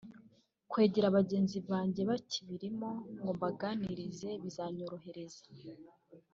kwegera bagenzi banjye bakibirimo ngo mbaganirize bizanyorohera